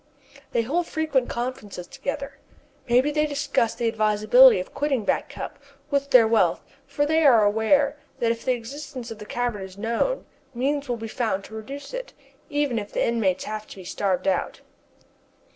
They hold frequent conferences together. Maybe they discuss the advisability of quitting Back Cup with their wealth, for they are aware that if the existence of the cavern is known means will be found to reduce it, even if the inmates have to be starved out.